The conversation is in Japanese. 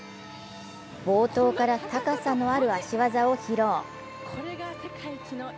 冒頭から高さのある足技を披露。